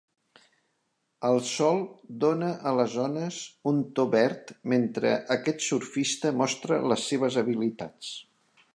El sol dona a les ones un to verd mentre aquest surfista mostra les seves habilitats.